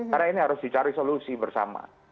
karena ini harus dicari solusi bersama